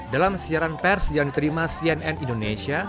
dalam siaran pers yang diterima cnn indonesia